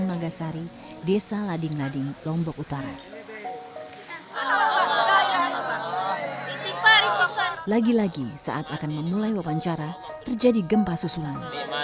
lagi lagi saat akan memulai wawancara terjadi gempa susulan